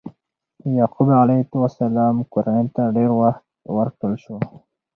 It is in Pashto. د یعقوب علیه السلام کورنۍ ته ډېر وخت ورکړل شو.